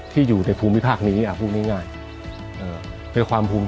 ที่อยู่ในภูมิภาคนี้อ่ะภูมิง่ายเอ่อเป็นความภูมิ